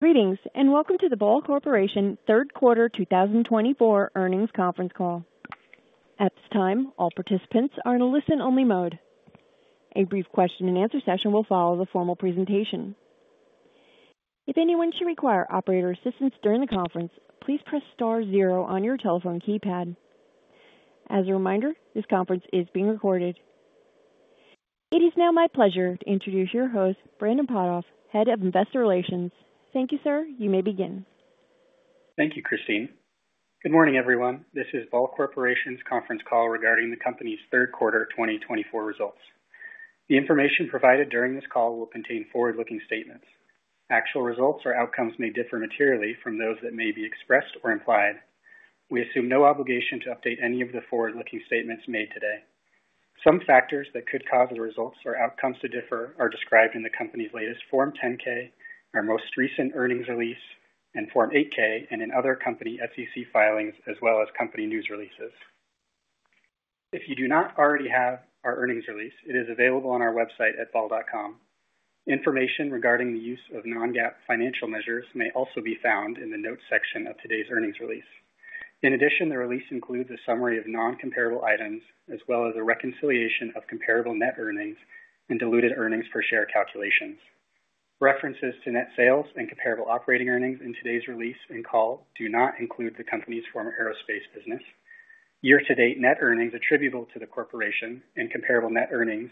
Greetings and welcome to the Ball Corporation third quarter 2024 earnings conference call. At this time, all participants are in a listen-only mode. A brief question-and-answer session will follow the formal presentation. If anyone should require operator assistance during the conference, please press star zero on your telephone keypad. As a reminder, this conference is being recorded. It is now my pleasure to introduce your host, Brandon Potthoff, Head of Investor Relations. Thank you, sir. You may begin. Thank you, Christine. Good morning, everyone. This is Ball Corporation's conference call regarding the company's third quarter 2024 results. The information provided during this call will contain forward-looking statements. Actual results or outcomes may differ materially from those that may be expressed or implied. We assume no obligation to update any of the forward-looking statements made today. Some factors that could cause the results or outcomes to differ are described in the company's latest Form 10-K, our most recent earnings release, and Form 8-K, and in other company SEC filings, as well as company news releases. If you do not already have our earnings release, it is available on our website at ball.com. Information regarding the use of non-GAAP financial measures may also be found in the notes section of today's earnings release. In addition, the release includes a summary of non-comparable items, as well as a reconciliation of comparable net earnings and diluted earnings per share calculations. References to net sales and comparable operating earnings in today's release and call do not include the company's former aerospace business. Year-to-date net earnings attributable to the corporation and comparable net earnings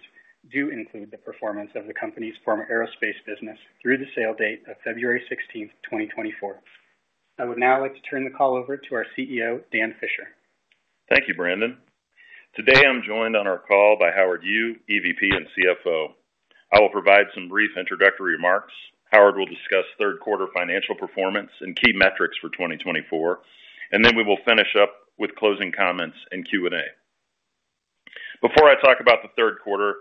do include the performance of the company's former aerospace business through the sale date of February 16th, 2024. I would now like to turn the call over to our CEO, Dan Fisher. Thank you, Brandon. Today, I'm joined on our call by Howard Yu, EVP and CFO. I will provide some brief introductory remarks. Howard will discuss third-quarter financial performance and key metrics for 2024, and then we will finish up with closing comments and Q&A. Before I talk about the third quarter,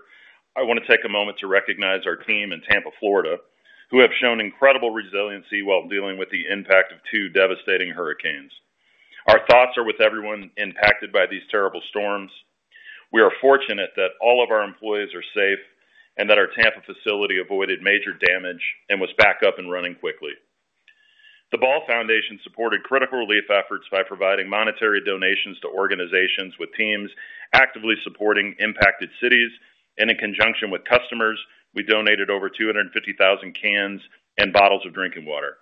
I want to take a moment to recognize our team in Tampa, Florida, who have shown incredible resiliency while dealing with the impact of two devastating hurricanes. Our thoughts are with everyone impacted by these terrible storms. We are fortunate that all of our employees are safe and that our Tampa facility avoided major damage and was back up and running quickly. The Ball Foundation supported critical relief efforts by providing monetary donations to organizations with teams actively supporting impacted cities, and in conjunction with customers, we donated over 250,000 cans and bottles of drinking water.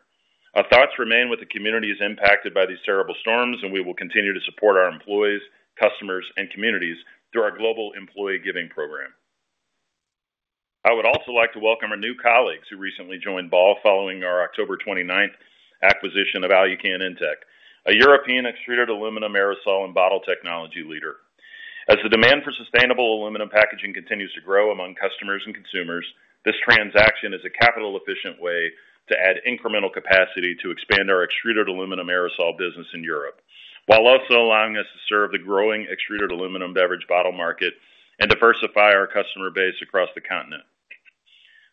Our thoughts remain with the communities impacted by these terrible storms, and we will continue to support our employees, customers, and communities through our global employee giving program. I would also like to welcome our new colleagues who recently joined Ball following our October 29th acquisition of Alucan, a European extruded aluminum aerosol and bottle technology leader. As the demand for sustainable aluminum packaging continues to grow among customers and consumers, this transaction is a capital-efficient way to add incremental capacity to expand our extruded aluminum aerosol business in Europe, while also allowing us to serve the growing extruded aluminum beverage bottle market and diversify our customer base across the continent.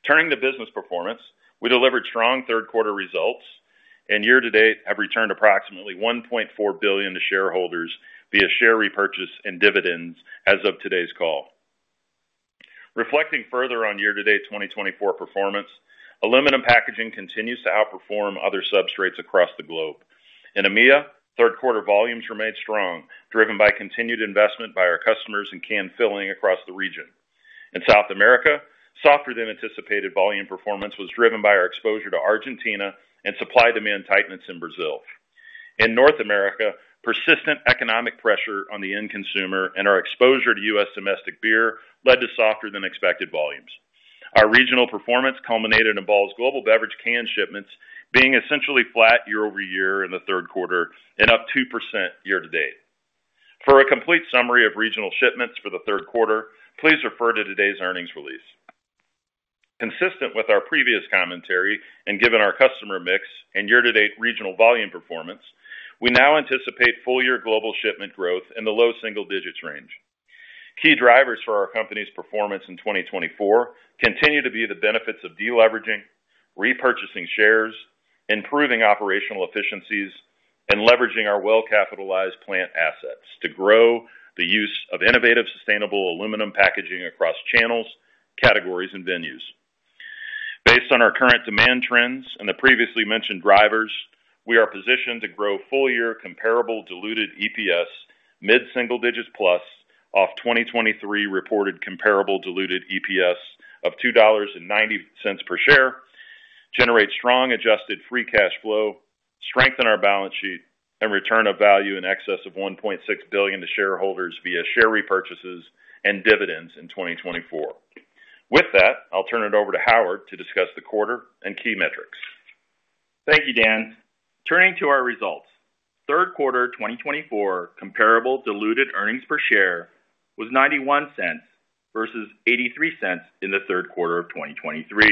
Turning to business performance, we delivered strong third-quarter results and year-to-date have returned approximately $1.4 billion to shareholders via share repurchase and dividends as of today's call. Reflecting further on year-to-date 2024 performance, aluminum packaging continues to outperform other substrates across the globe. In EMEA, third-quarter volumes remained strong, driven by continued investment by our customers and can filling across the region. In South America, softer than anticipated volume performance was driven by our exposure to Argentina and supply-demand tightness in Brazil. In North America, persistent economic pressure on the end consumer and our exposure to U.S. domestic beer led to softer than expected volumes. Our regional performance culminated in Ball's global beverage can shipments being essentially flat year-over-year in the third quarter, and up 2% year-to-date. For a complete summary of regional shipments for the third quarter, please refer to today's earnings release. Consistent with our previous commentary and given our customer mix and year-to-date regional volume performance, we now anticipate full-year global shipment growth in the low single digits range. Key drivers for our company's performance in 2024 continue to be the benefits of deleveraging, repurchasing shares, improving operational efficiencies, and leveraging our well-capitalized plant assets to grow the use of innovative sustainable aluminum packaging across channels, categories, and venues. Based on our current demand trends and the previously mentioned drivers, we are positioned to grow full-year comparable diluted EPS mid-single digits plus off 2023 reported comparable diluted EPS of $2.90 per share, generate strong adjusted free cash flow, strengthen our balance sheet, and return of value in excess of $1.6 billion to shareholders via share repurchases and dividends in 2024. With that, I'll turn it over to Howard to discuss the quarter and key metrics. Thank you, Dan. Turning to our results, third quarter 2024 comparable diluted earnings per share was $0.91 versus $0.83 in the third quarter of 2023.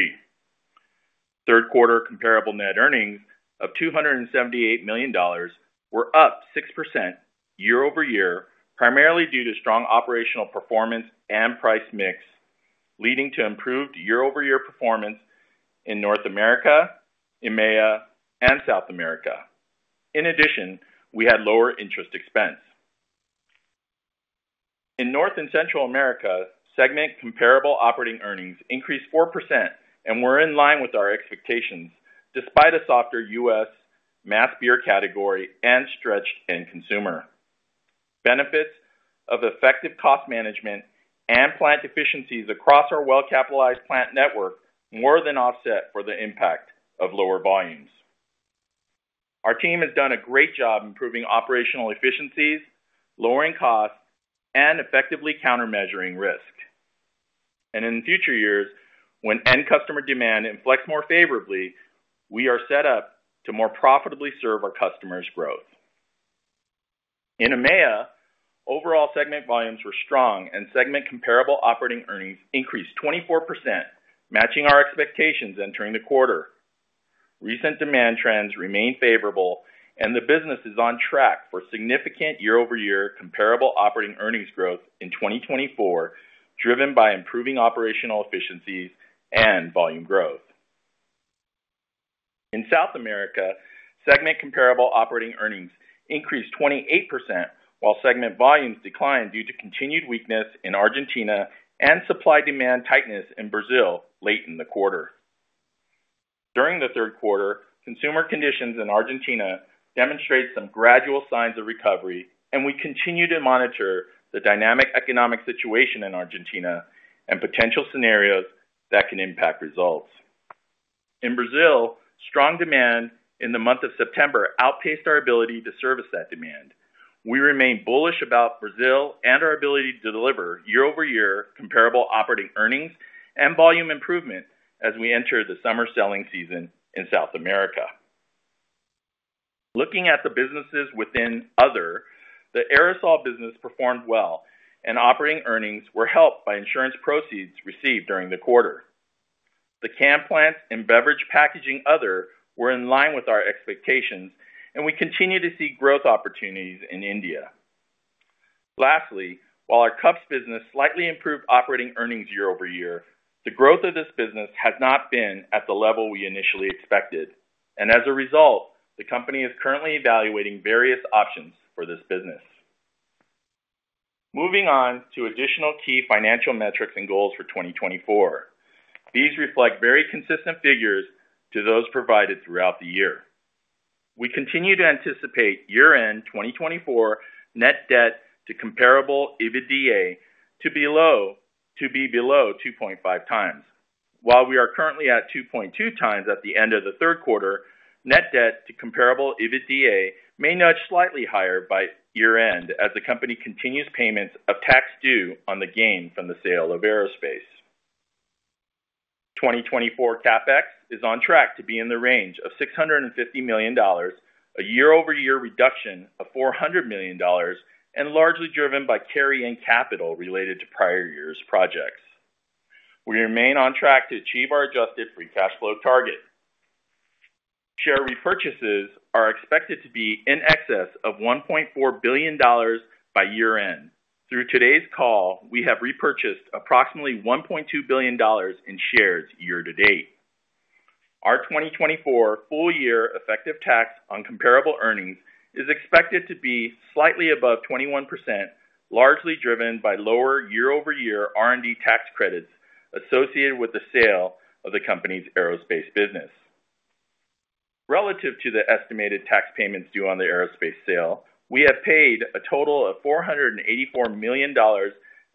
Third quarter comparable net earnings of $278 million were up 6% year-over-year, primarily due to strong operational performance and price mix, leading to improved year-over-year performance in North America, EMEA, and South America. In addition, we had lower interest expense. In North and Central America, segment comparable operating earnings increased 4% and were in line with our expectations despite a softer U.S. mass beer category and stretched end consumer. Benefits of effective cost management and plant efficiencies across our well-capitalized plant network more than offset the impact of lower volumes. Our team has done a great job improving operational efficiencies, lowering costs, and effectively countermeasuring risk. And in future years, when end customer demand inflects more favorably, we are set up to more profitably serve our customers' growth. In EMEA, overall segment volumes were strong and segment comparable operating earnings increased 24%, matching our expectations entering the quarter. Recent demand trends remain favorable and the business is on track for significant year-over-year comparable operating earnings growth in 2024, driven by improving operational efficiencies and volume growth. In South America, segment comparable operating earnings increased 28% while segment volumes declined due to continued weakness in Argentina and supply-demand tightness in Brazil late in the quarter. During the third quarter, consumer conditions in Argentina demonstrated some gradual signs of recovery and we continue to monitor the dynamic economic situation in Argentina and potential scenarios that can impact results. In Brazil, strong demand in the month of September outpaced our ability to service that demand. We remain bullish about Brazil and our ability to deliver year-over-year comparable operating earnings and volume improvement as we enter the summer selling season in South America. Looking at the businesses within Other, the aerosol business performed well and operating earnings were helped by insurance proceeds received during the quarter. The can plants and Beverage Packaging, Other were in line with our expectations and we continue to see growth opportunities in India. Lastly, while our cups business slightly improved operating earnings year-over-year, the growth of this business has not been at the level we initially expected, and as a result, the company is currently evaluating various options for this business. Moving on to additional key financial metrics and goals for 2024. These reflect very consistent figures to those provided throughout the year. We continue to anticipate year-end 2024 net debt to comparable EBITDA to be below 2.5 times. While we are currently at 2.2 times at the end of the third quarter, net debt to comparable EBITDA may nudge slightly higher by year-end as the company continues payments of tax due on the gain from the sale of Aerospace. 2024 CapEx is on track to be in the range of $650 million, a year-over-year reduction of $400 million, and largely driven by carryover capital related to prior year's projects. We remain on track to achieve our Adjusted Free Cash Flow target. Share repurchases are expected to be in excess of $1.4 billion by year-end. Through today's call, we have repurchased approximately $1.2 billion in shares year-to-date. Our 2024 full-year effective tax on comparable earnings is expected to be slightly above 21%, largely driven by lower year-over-year R&D tax credits associated with the sale of the company's Aerospace business. Relative to the estimated tax payments due on the aerospace sale, we have paid a total of $484 million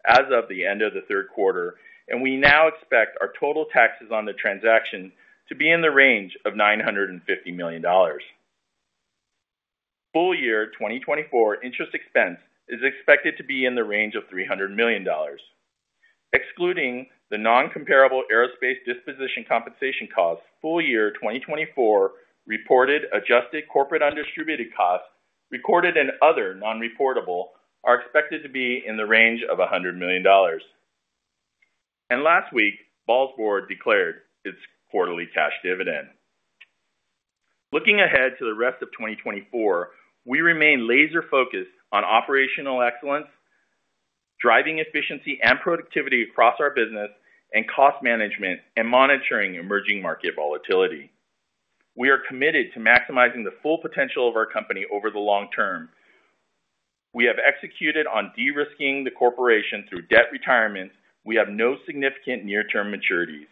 as of the end of the third quarter, and we now expect our total taxes on the transaction to be in the range of $950 million. Full-year 2024 interest expense is expected to be in the range of $300 million. Excluding the non-comparable aerospace disposition compensation costs, full-year 2024 reported adjusted corporate undistributed costs recorded in other non-reportable are expected to be in the range of $100 million. And last week, Ball's Board declared its quarterly cash dividend. Looking ahead to the rest of 2024, we remain laser-focused on operational excellence, driving efficiency and productivity across our business, and cost management and monitoring emerging market volatility. We are committed to maximizing the full potential of our company over the long term. We have executed on de-risking the corporation through debt retirements. We have no significant near-term maturities.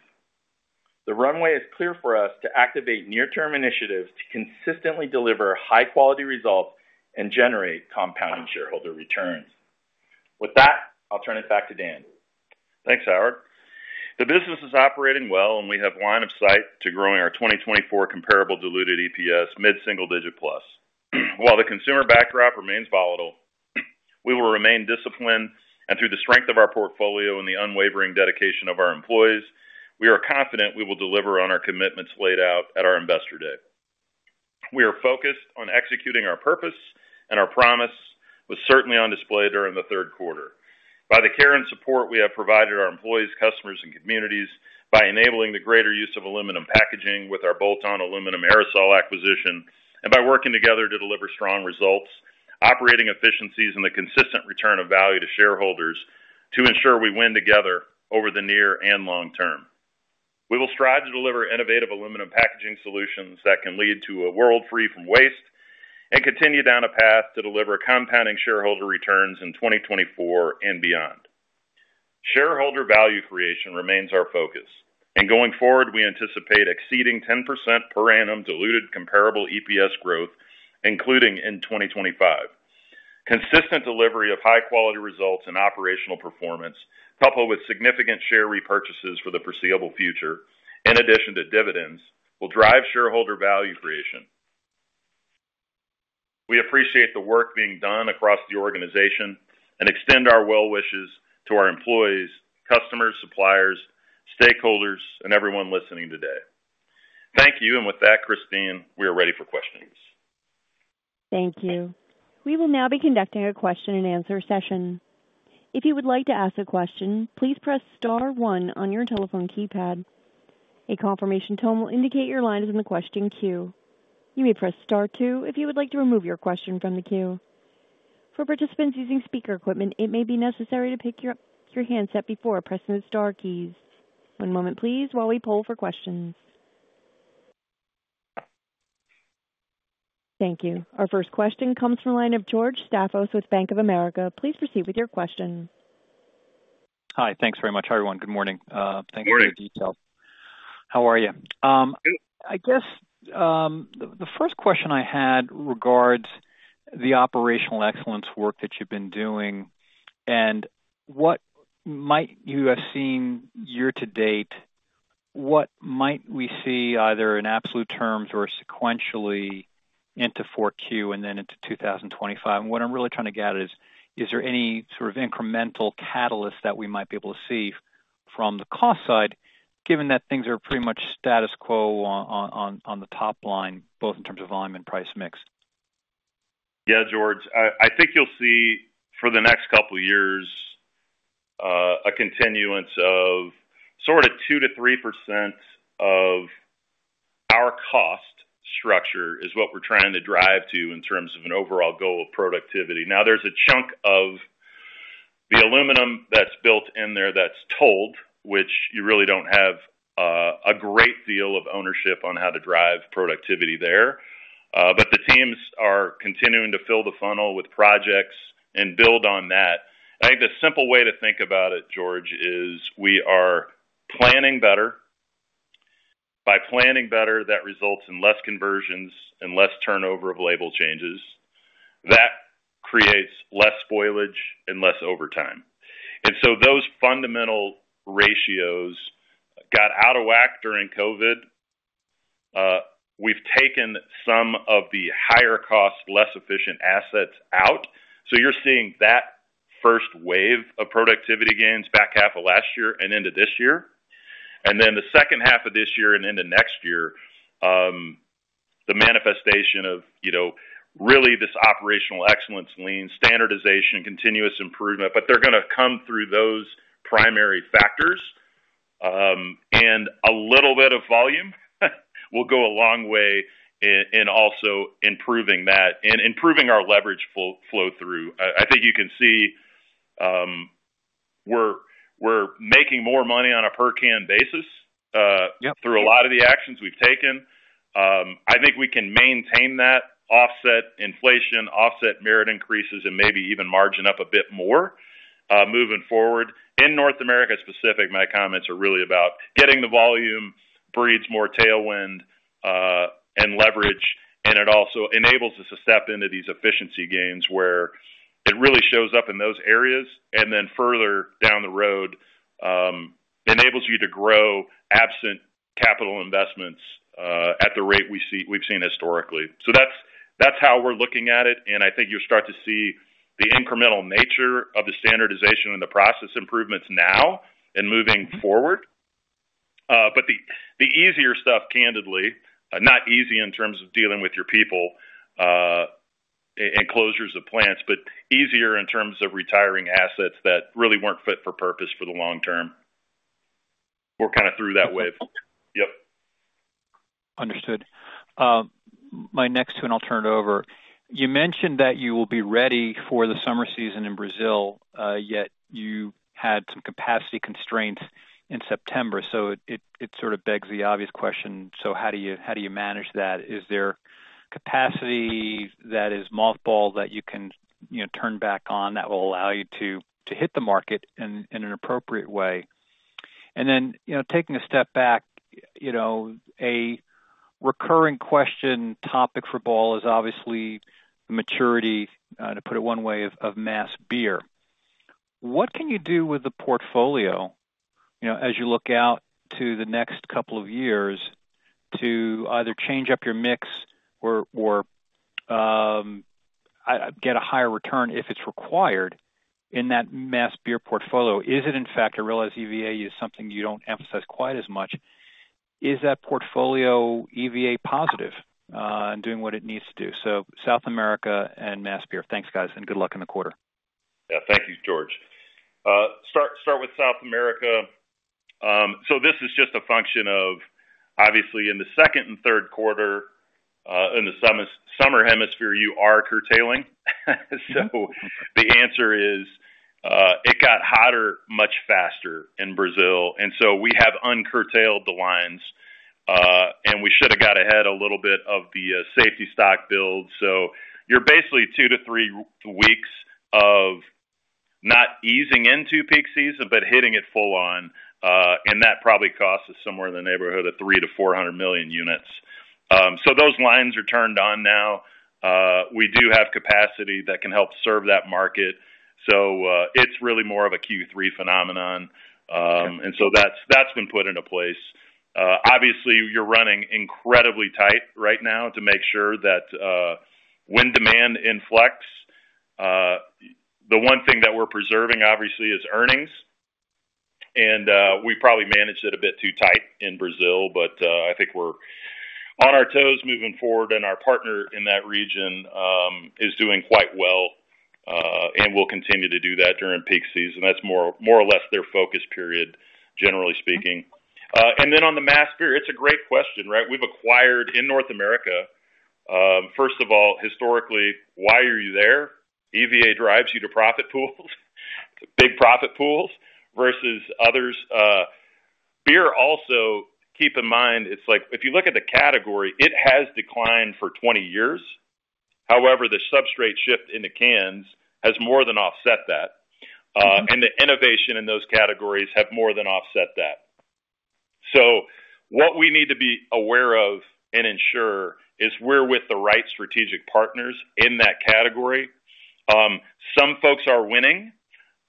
The runway is clear for us to activate near-term initiatives to consistently deliver high-quality results and generate compounding shareholder returns. With that, I'll turn it back to Dan. Thanks, Howard. The business is operating well and we have line of sight to growing our 2024 comparable diluted EPS mid-single digit plus. While the consumer backdrop remains volatile, we will remain disciplined and through the strength of our portfolio and the unwavering dedication of our employees, we are confident we will deliver on our commitments laid out at our Investor Day. We are focused on executing our purpose and our promise was certainly on display during the third quarter. By the care and support we have provided our employees, customers, and communities by enabling the greater use of aluminum packaging with our bolt-on aluminum aerosol acquisition and by working together to deliver strong results, operating efficiencies, and the consistent return of value to shareholders to ensure we win together over the near and long term. We will strive to deliver innovative aluminum packaging solutions that can lead to a world free from waste and continue down a path to deliver compounding shareholder returns in 2024 and beyond. Shareholder value creation remains our focus, and going forward, we anticipate exceeding 10% per annum diluted comparable EPS growth, including in 2025. Consistent delivery of high-quality results and operational performance, coupled with significant share repurchases for the foreseeable future, in addition to dividends, will drive shareholder value creation. We appreciate the work being done across the organization and extend our well wishes to our employees, customers, suppliers, stakeholders, and everyone listening today. Thank you, and with that, Christine, we are ready for questions. Thank you. We will now be conducting a question and answer session. If you would like to ask a question, please press star one on your telephone keypad. A confirmation tone will indicate your line is in the question queue. You may press star two if you would like to remove your question from the queue. For participants using speaker equipment, it may be necessary to pick your handset before pressing the star keys. One moment, please, while we pull for questions. Thank you. Our first question comes from line of George Staphos with Bank of America. Please proceed with your question. Hi, thanks very much, everyone. Good morning. Thank you for your details. How are you? I guess the first question I had regards the operational excellence work that you've been doing and what might you have seen year-to-date? What might we see either in absolute terms or sequentially into Q4 and then into 2025? And what I'm really trying to get at is, is there any sort of incremental catalyst that we might be able to see from the cost side, given that things are pretty much status quo on the top line, both in terms of volume and price mix? Yeah, George, I think you'll see for the next couple of years a continuance of sort of 2%-3% of our cost structure is what we're trying to drive to in terms of an overall goal of productivity. Now, there's a chunk of the aluminum that's built in there that's tolled, which you really don't have a great deal of ownership on how to drive productivity there. But the teams are continuing to fill the funnel with projects and build on that. I think the simple way to think about it, George, is we are planning better. By planning better, that results in less conversions and less turnover of label changes. That creates less spoilage and less overtime. And so those fundamental ratios got out of whack during COVID. We've taken some of the higher cost, less efficient assets out. So you're seeing that first wave of productivity gains back half of last year and into this year. And then the second half of this year and into next year, the manifestation of really this operational excellence Lean, standardization, continuous improvement, but they're going to come through those primary factors. And a little bit of volume will go a long way in also improving that and improving our leverage flow through. I think you can see we're making more money on a per can basis through a lot of the actions we've taken. I think we can maintain that, offset inflation, offset merit increases, and maybe even margin up a bit more moving forward. In North America, specifically, my comments are really about getting the volume to breed more tailwind and leverage, and it also enables us to step into these efficiency gains where it really shows up in those areas and then further down the road enables you to grow absent capital investments at the rate we've seen historically. So that's how we're looking at it, and I think you'll start to see the incremental nature of the standardization and the process improvements now and moving forward. But the easier stuff, candidly, not easy in terms of dealing with your people and closures of plants, but easier in terms of retiring assets that really weren't fit for purpose for the long term, we're kind of through that wave. Yep. Understood. My next one, I'll turn it over. You mentioned that you will be ready for the summer season in Brazil, yet you had some capacity constraints in September. So it sort of begs the obvious question, so how do you manage that? Is there capacity that is mothballed that you can turn back on that will allow you to hit the market in an appropriate way? And then taking a step back, a recurring question topic for Ball is obviously maturity, to put it one way, of mass beer. What can you do with the portfolio as you look out to the next couple of years to either change up your mix or get a higher return if it's required in that mass beer portfolio? Is it, in fact, I realize EVA is something you don't emphasize quite as much? Is that portfolio EVA positive and doing what it needs to do? So South America and mass beer. Thanks, guys, and good luck in the quarter. Yeah, thank you, George. Start with South America. So this is just a function of obviously in the second and third quarter in the summer hemisphere, you are curtailing. So the answer is it got hotter much faster in Brazil. And so we have uncurtailed the lines, and we should have got ahead a little bit of the safety stock build. So you're basically two to three weeks of not easing into peak season, but hitting it full on. And that probably costs us somewhere in the neighborhood of 300 million-400 million units. So those lines are turned on now. We do have capacity that can help serve that market. So it's really more of a Q3 phenomenon. And so that's been put into place. Obviously, you're running incredibly tight right now to make sure that when demand inflects, the one thing that we're preserving, obviously, is earnings. And we probably managed it a bit too tight in Brazil, but I think we're on our toes moving forward, and our partner in that region is doing quite well and will continue to do that during peak season. That's more or less their focus period, generally speaking. And then on the mass beer, it's a great question, right? We've acquired in North America, first of all, historically, why are you there? EVA drives you to profit pools, big profit pools versus others. Beer also, keep in mind, it's like if you look at the category, it has declined for 20 years. However, the substrate shift in the cans has more than offset that. And the innovation in those categories have more than offset that. So what we need to be aware of and ensure is we're with the right strategic partners in that category. Some folks are winning,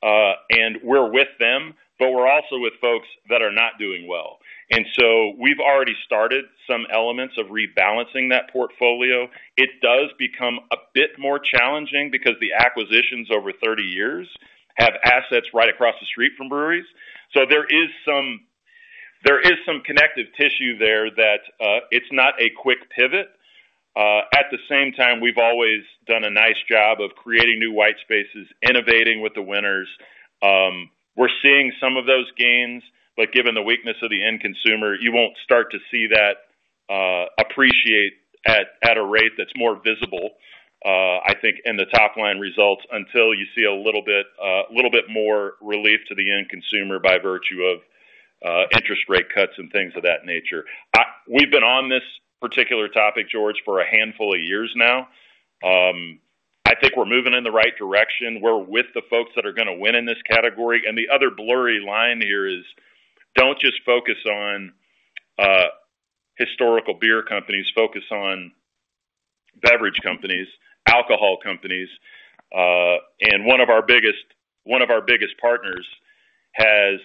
and we're with them, but we're also with folks that are not doing well, and so we've already started some elements of rebalancing that portfolio. It does become a bit more challenging because the acquisitions over 30 years have assets right across the street from breweries, so there is some connective tissue there that it's not a quick pivot. At the same time, we've always done a nice job of creating new white spaces, innovating with the winners. We're seeing some of those gains, but given the weakness of the end consumer, you won't start to see that appreciate at a rate that's more visible, I think, in the top line results until you see a little bit more relief to the end consumer by virtue of interest rate cuts and things of that nature. We've been on this particular topic, George, for a handful of years now. I think we're moving in the right direction. We're with the folks that are going to win in this category. And the other blurry line here is don't just focus on historical beer companies. Focus on beverage companies, alcohol companies. And one of our biggest partners has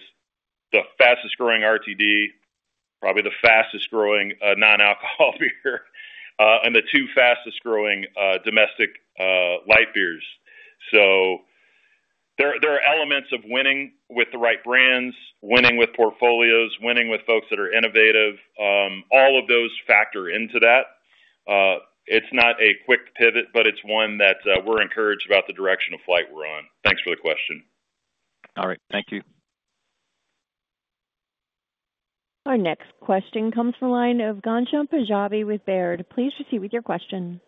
the fastest growing RTD, probably the fastest growing non-alcohol beer, and the two fastest growing domestic light beers. So there are elements of winning with the right brands, winning with portfolios, winning with folks that are innovative. All of those factor into that. It's not a quick pivot, but it's one that we're encouraged about the direction of flight we're on. Thanks for the question. All right. Thank you. Our next question comes from the line of Ghansham Panjabi with Baird. Please proceed with your question.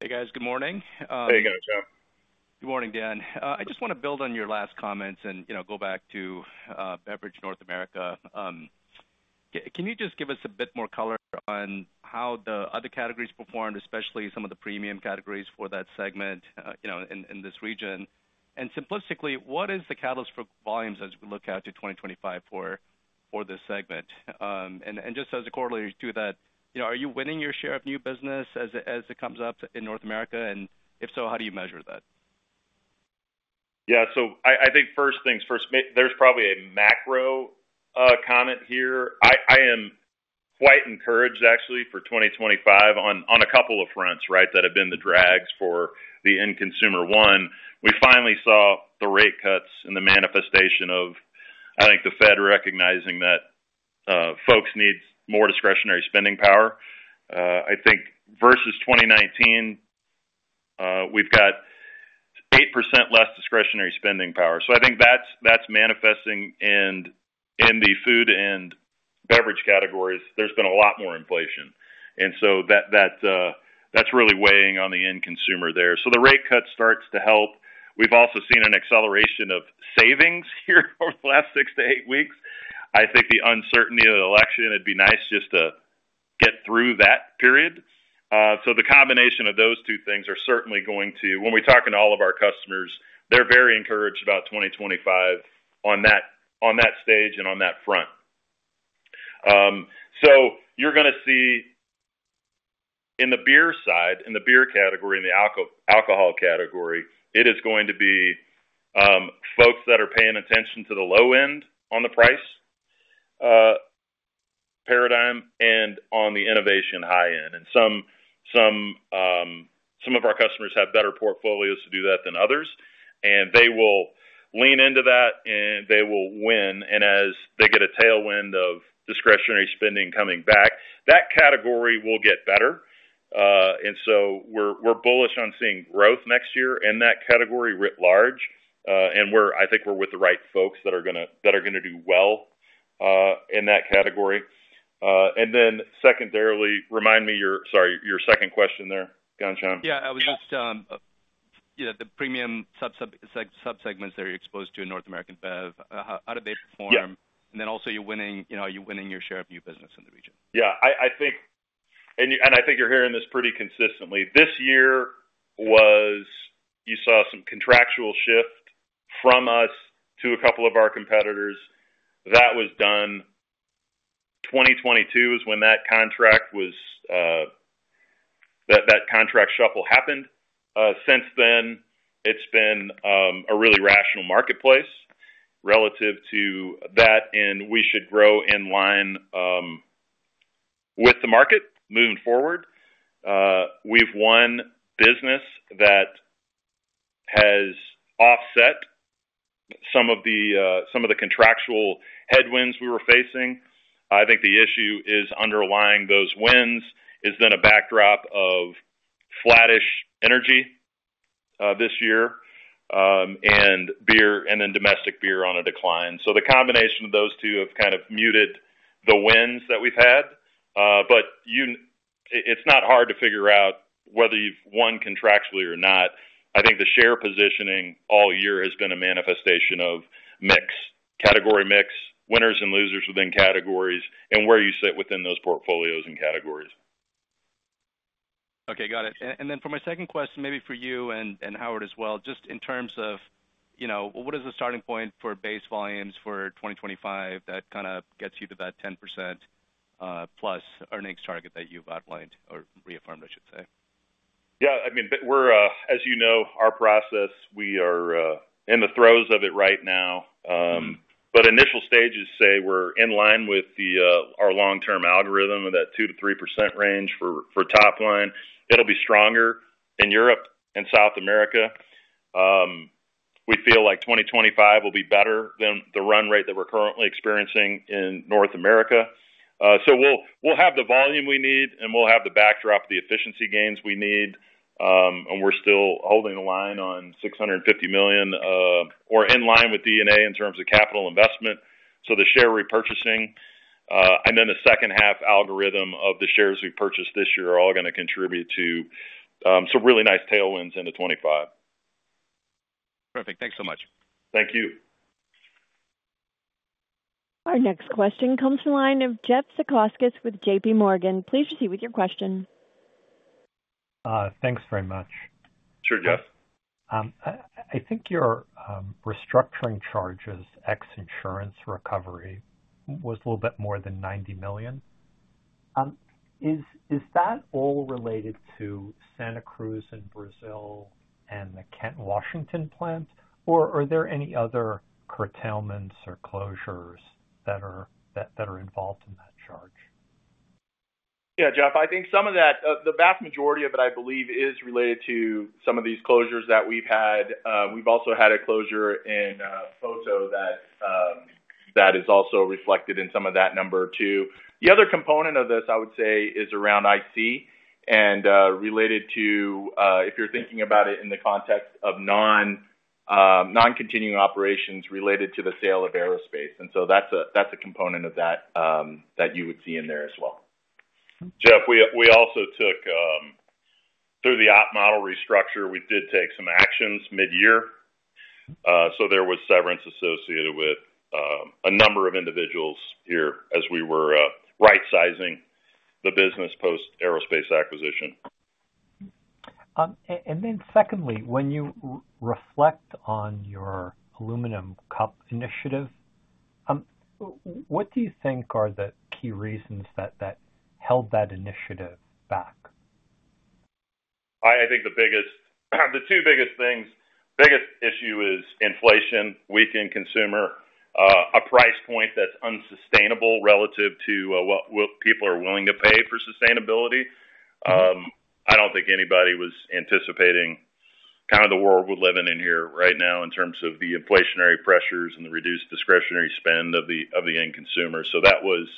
Hey, guys. Good morning. Hey, Ghansham. Good morning, Dan. I just want to build on your last comments and go back to Beverage North America. Can you just give us a bit more color on how the other categories performed, especially some of the premium categories for that segment in this region? And simplistically, what is the catalyst for volumes as we look out to 2025 for this segment? And just as a corollary to that, are you winning your share of new business as it comes up in North America? And if so, how do you measure that? Yeah. So I think first things first, there's probably a macro comment here. I am quite encouraged, actually, for 2025 on a couple of fronts, right, that have been the drags for the end consumer. One, we finally saw the rate cuts and the manifestation of, I think, the Fed recognizing that folks need more discretionary spending power. I think versus 2019, we've got 8% less discretionary spending power. So I think that's manifesting in the food and beverage categories. There's been a lot more inflation. And so that's really weighing on the end consumer there. So the rate cut starts to help. We've also seen an acceleration of savings here over the last six to eight weeks. I think the uncertainty of the election, it'd be nice just to get through that period. So the combination of those two things are certainly going to, when we talk to all of our customers, they're very encouraged about 2025 on that stage and on that front. So you're going to see in the beer side, in the beer category, in the alcohol category, it is going to be folks that are paying attention to the low end on the price paradigm and on the innovation high end. And some of our customers have better portfolios to do that than others. And they will lean into that, and they will win. And as they get a tailwind of discretionary spending coming back, that category will get better. And so we're bullish on seeing growth next year in that category writ large. And I think we're with the right folks that are going to do well in that category. And then, secondarily, remind me your, sorry, your second question there, Ghansham. Yeah. The premium subsegments that are exposed to North America and Bev, how do they perform? And then also, are you winning your share of new business in the region? Yeah. And I think you're hearing this pretty consistently. This year was, you saw some contractual shift from us to a couple of our competitors. That was done. 2022 is when that contract shift happened. Since then, it's been a really rational marketplace relative to that, and we should grow in line with the market moving forward. We've won business that has offset some of the contractual headwinds we were facing. I think the issue is underlying those wins is then a backdrop of flattish energy this year and then domestic beer on a decline. So the combination of those two have kind of muted the wins that we've had. But it's not hard to figure out whether you've won contractually or not. I think the share positioning all year has been a manifestation of mix, category mix, winners and losers within categories, and where you sit within those portfolios and categories. Okay. Got it. And then for my second question, maybe for you and Howard as well, just in terms of what is the starting point for base volumes for 2025 that kind of gets you to that 10%+ earnings target that you've outlined or reaffirmed, I should say? Yeah. I mean, as you know, our process, we are in the throes of it right now. But initial stages say we're in line with our long-term algorithm of that 2%-3% range for top line. It'll be stronger in Europe and South America. We feel like 2025 will be better than the run rate that we're currently experiencing in North America. So we'll have the volume we need, and we'll have the backdrop, the efficiency gains we need. And we're still holding the line on $650 million or in line with D&A in terms of capital investment. So the share repurchasing and then the second-half algorithm of the shares we purchased this year are all going to contribute to some really nice tailwinds into 2025. Perfect. Thanks so much. Thank you. Our next question comes from the line of Jeffrey Zekauskas with JPMorgan. Please proceed with your question. Thanks very much. Sure, Jeff. I think your restructuring charges, ex insurance recovery, was a little bit more than $90 million. Is that all related to Santa Cruz in Brazil and the Kent, Washington plant, or are there any other curtailments or closures that are involved in that charge? Yeah, Jeff, I think some of that, the vast majority of it, I believe, is related to some of these closures that we've had. We've also had a closure in Botucatu that is also reflected in some of that number too. The other component of this, I would say, is around IC and related to, if you're thinking about it in the context of non-continuing operations related to the sale of aerospace. And so that's a component of that that you would see in there as well. Jeff, we also took through the op model restructure, we did take some actions mid-year. So there was severance associated with a number of individuals here as we were right-sizing the business post-aerospace acquisition. Secondly, when you reflect on your aluminum cup initiative, what do you think are the key reasons that held that initiative back? I think the two biggest things, biggest issue is inflation, weakened consumer, a price point that's unsustainable relative to what people are willing to pay for sustainability. I don't think anybody was anticipating kind of the world we're living in here right now in terms of the inflationary pressures and the reduced discretionary spend of the end consumer. So that was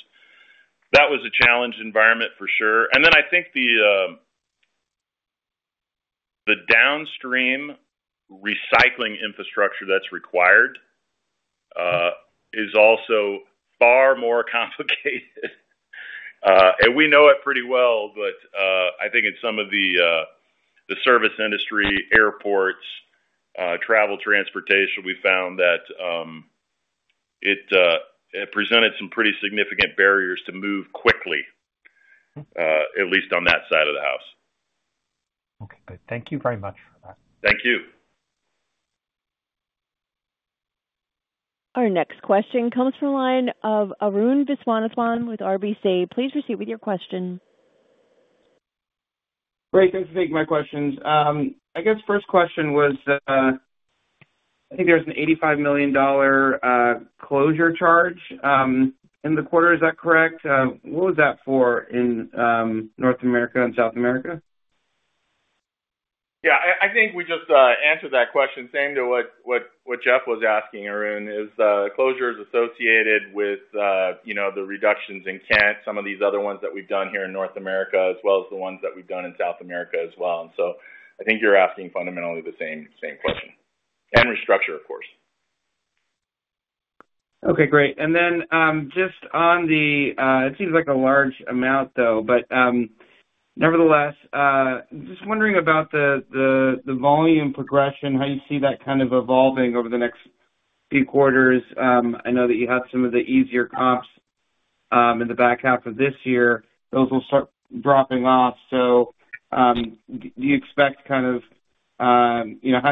a challenge environment for sure, and then I think the downstream recycling infrastructure that's required is also far more complicated, and we know it pretty well, but I think in some of the service industry, airports, travel, transportation, we found that it presented some pretty significant barriers to move quickly, at least on that side of the house. Okay. Good. Thank you very much for that. Thank you. Our next question comes from the line of Arun Viswanathan with RBC. Please proceed with your question. Great. Thanks for taking my questions. I guess first question was, I think there was an $85 million closure charge in the quarter. Is that correct? What was that for in North America and South America? Yeah. I think we just answered that question. Same to what Jeff was asking, Arun, is the closure associated with the reductions in Kent, some of these other ones that we've done here in North America, as well as the ones that we've done in South America as well. And so I think you're asking fundamentally the same question and restructure, of course. Okay. Great. And then just on the, it seems like a large amount, though, but nevertheless, just wondering about the volume progression, how you see that kind of evolving over the next few quarters. I know that you had some of the easier comps in the back half of this year. Those will start dropping off. So do you expect kind of, how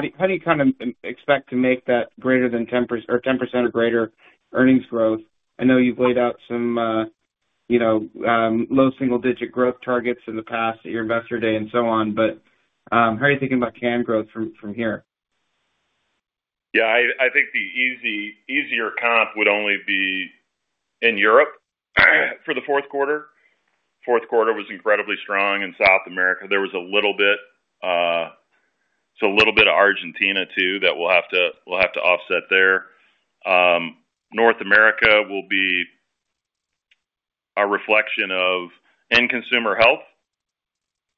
do you kind of expect to make that greater than 10% or greater earnings growth? I know you've laid out some low single-digit growth targets in the past at your Investor Day and so on, but how are you thinking about CAN growth from here? Yeah. I think the easier comp would only be in Europe for the fourth quarter. Fourth quarter was incredibly strong in South America. There was a little bit, so a little bit of Argentina too that we'll have to offset there. North America will be a reflection of end consumer health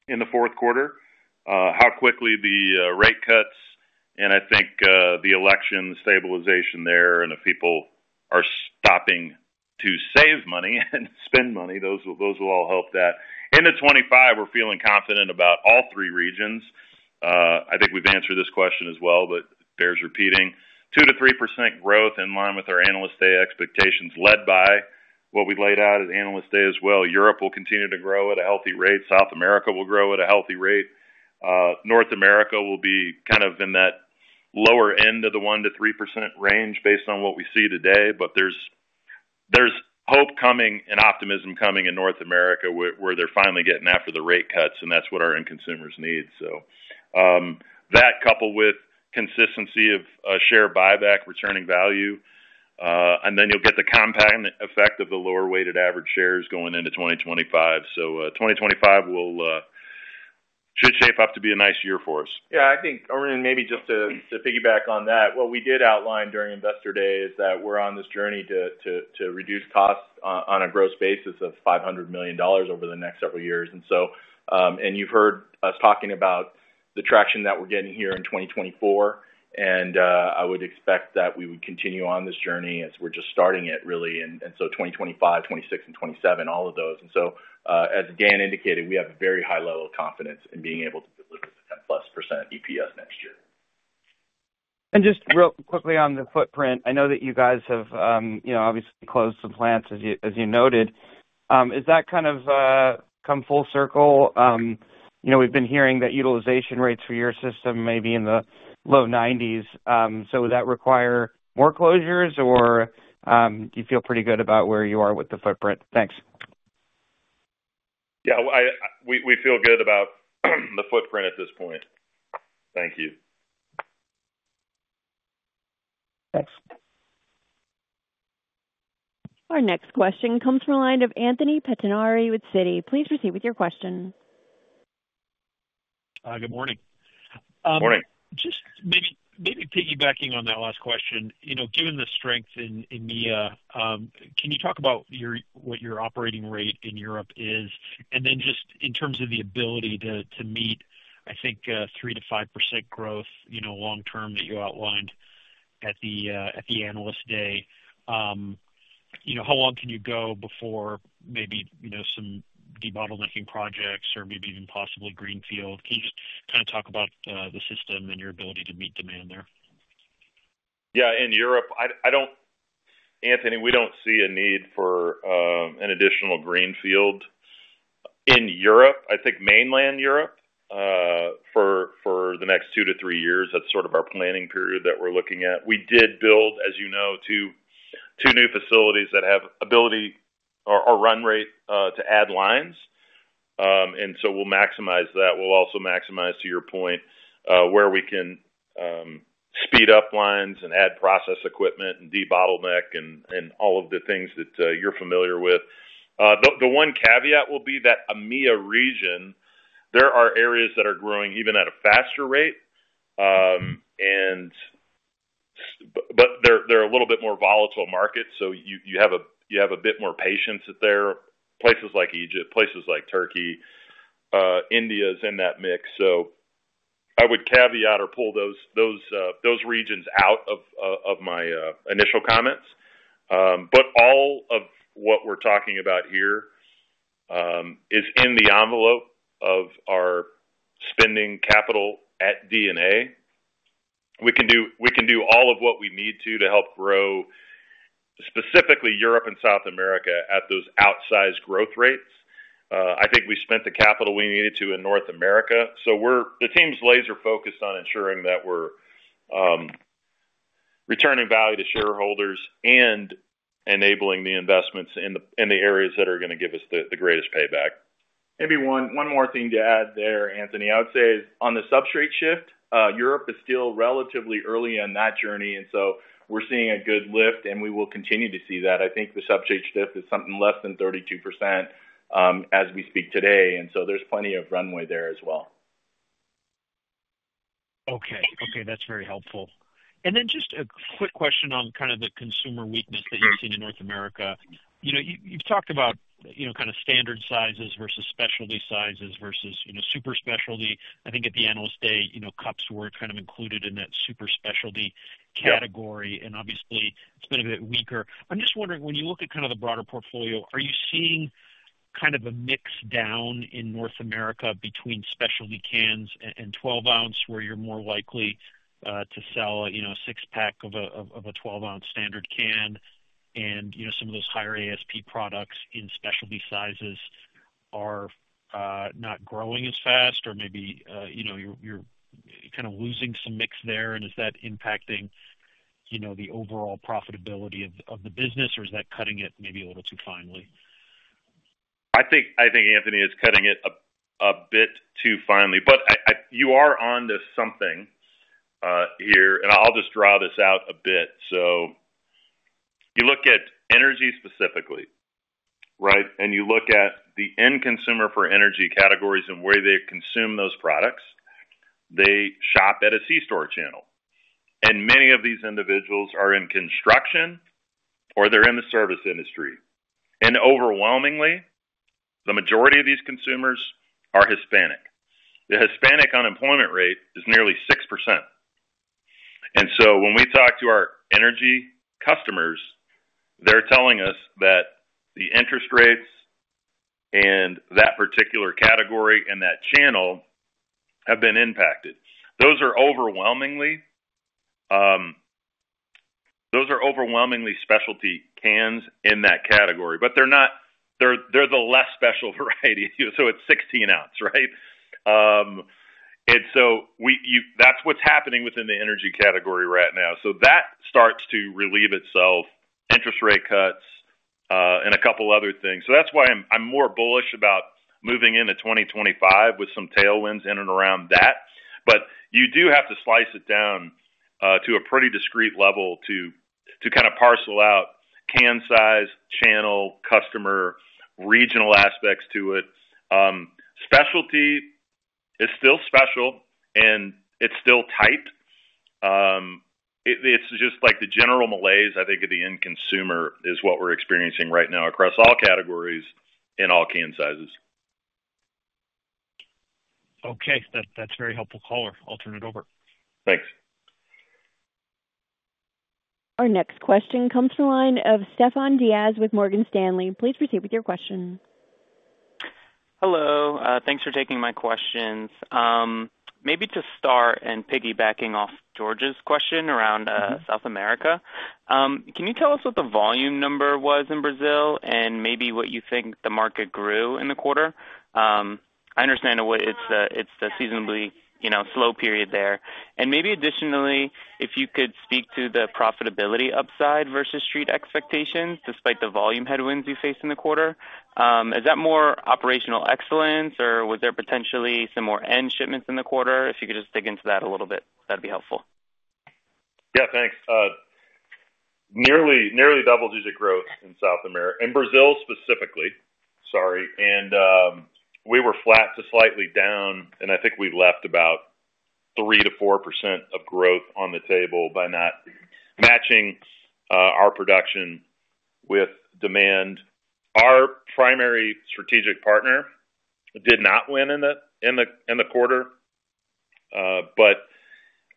in the fourth quarter, how quickly the rate cuts, and I think the election stabilization there and if people are stopping to save money and spend money, those will all help that. In 2025, we're feeling confident about all three regions. I think we've answered this question as well, but bears repeating. 2%-3% growth in line with our Analyst Day expectations led by what we laid out at Analyst Day as well. Europe will continue to grow at a healthy rate. South America will grow at a healthy rate. North America will be kind of in that lower end of the 1%-3% range based on what we see today. But there's hope coming and optimism coming in North America where they're finally getting after the rate cuts, and that's what our end consumers need. So that coupled with consistency of share buyback, returning value, and then you'll get the compound effect of the lower weighted average shares going into 2025. So 2025 should shape up to be a nice year for us. Yeah. I think, Arun, maybe just to piggyback on that, what we did outline during Investor Day is that we're on this journey to reduce costs on a gross basis of $500 million over the next several years. And you've heard us talking about the traction that we're getting here in 2024. And I would expect that we would continue on this journey as we're just starting it, really. And so 2025, 2026, and 2027, all of those. And so as Dan indicated, we have a very high level of confidence in being able to deliver the 10%+ EPS next year. Just real quickly on the footprint, I know that you guys have obviously closed some plants, as you noted. Is that kind of come full circle? We've been hearing that utilization rates for your system may be in the low 90s. Would that require more closures, or do you feel pretty good about where you are with the footprint? Thanks. Yeah. We feel good about the footprint at this point. Thank you. Thanks. Our next question comes from the line of Anthony Pettinari with Citi. Please proceed with your question. Good morning. Morning. Just maybe piggybacking on that last question, given the strength in EMEA, can you talk about what your operating rate in Europe is? And then just in terms of the ability to meet, I think, 3%-5% growth long-term that you outlined at the Analyst Day, how long can you go before maybe some debottlenecking projects or maybe even possibly greenfield? Can you just kind of talk about the system and your ability to meet demand there? Yeah. In Europe, Anthony, we don't see a need for an additional greenfield. In Europe, I think mainland Europe for the next two to three years, that's sort of our planning period that we're looking at. We did build, as you know, two new facilities that have ability or run rate to add lines. And so we'll maximize that. We'll also maximize, to your point, where we can speed up lines and add process equipment and debottleneck and all of the things that you're familiar with. The one caveat will be that EMEA region, there are areas that are growing even at a faster rate, but they're a little bit more volatile market. So you have a bit more patience there, places like Egypt, places like Turkey, India is in that mix. So I would caveat or pull those regions out of my initial comments. But all of what we're talking about here is in the envelope of our spending CapEx in NA. We can do all of what we need to to help grow specifically Europe and South America at those outsized growth rates. I think we spent the capital we needed to in North America. So the team's laser-focused on ensuring that we're returning value to shareholders and enabling the investments in the areas that are going to give us the greatest payback. Maybe one more thing to add there, Anthony. I would say is on the substrate shift, Europe is still relatively early on that journey. And so we're seeing a good lift, and we will continue to see that. I think the substrate shift is something less than 32% as we speak today. And so there's plenty of runway there as well. Okay. Okay. That's very helpful. And then just a quick question on kind of the consumer weakness that you've seen in North America. You've talked about kind of standard sizes versus specialty sizes versus super specialty. I think at the Analyst Day, cups were kind of included in that super specialty category. And obviously, it's been a bit weaker. I'm just wondering, when you look at kind of the broader portfolio, are you seeing kind of a mix down in North America between specialty cans and 12 oz where you're more likely to sell a six-pack of a 12 oz standard can? And some of those higher ASP products in specialty sizes are not growing as fast, or maybe you're kind of losing some mix there. And is that impacting the overall profitability of the business, or is that cutting it maybe a little too finely? I think, Anthony, it's cutting it a bit too finely. But you are onto something here. And I'll just draw this out a bit. So you look at energy specifically, right? And you look at the end consumer for energy categories and where they consume those products, they shop at a C-store channel. And many of these individuals are in construction or they're in the service industry. And overwhelmingly, the majority of these consumers are Hispanic. The Hispanic unemployment rate is nearly 6%. And so when we talk to our energy customers, they're telling us that the interest rates in that particular category and that channel have been impacted. Those are overwhelmingly specialty cans in that category, but they're the less special variety. So it's 16 oz, right? And so that's what's happening within the energy category right now. So that starts to relieve itself, interest rate cuts, and a couple of other things. So that's why I'm more bullish about moving into 2025 with some tailwinds in and around that. But you do have to slice it down to a pretty discrete level to kind of parcel out can size, channel, customer, regional aspects to it. Specialty is still special, and it's still tight. It's just like the general malaise, I think, of the end consumer is what we're experiencing right now across all categories in all can sizes. Okay. That's very helpful color I'll turn it over. Thanks. Our next question comes from line of Stefan Diaz with Morgan Stanley. Please proceed with your question. Hello. Thanks for taking my questions. Maybe to start and piggybacking off George's question around South America, can you tell us what the volume number was in Brazil and maybe what you think the market grew in the quarter? I understand it's the seasonally slow period there, and maybe additionally, if you could speak to the profitability upside versus street expectations despite the volume headwinds you faced in the quarter, is that more operational excellence, or was there potentially some more net shipments in the quarter? If you could just dig into that a little bit, that'd be helpful. Yeah. Thanks. Nearly double-digit growth in South America. In Brazil specifically, sorry. We were flat to slightly down, and I think we left about 3%-4% of growth on the table by not matching our production with demand. Our primary strategic partner did not win in the quarter, but